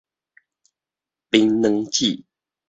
檳榔子